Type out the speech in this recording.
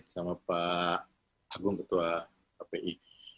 sama pak agung ketua kpi